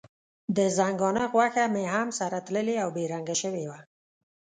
د ځنګانه غوښه مې هم سره تللې او بې رنګه شوې وه.